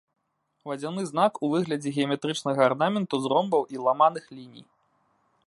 Вадзяны знак у выглядзе геаметрычнага арнаменту з ромбаў і ламаных ліній.